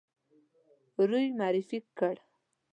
روی معرفي کړ.